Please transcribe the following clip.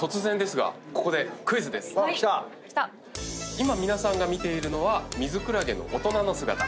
今皆さんが見ているのはミズクラゲの大人の姿。